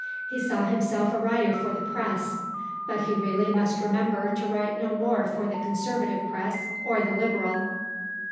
He saw himself a writer for the press (but he really must remember to write no more for the Conservative press, or the Liberal).